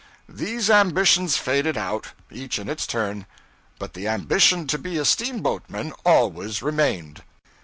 These ambitions faded out, each in its turn; but the ambition to be a steamboatman always remained.